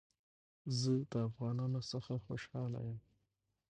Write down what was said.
زه د افغانانو څخه خوشحاله يم